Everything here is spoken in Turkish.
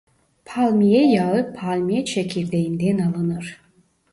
Palmiye yağı palmiye çekirdeği'nden alınır.